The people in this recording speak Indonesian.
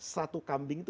satu kambing itu